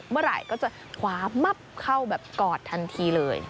เมื่อไหร่ก็จะคว้ามับเข้าแบบกอดทันทีเลย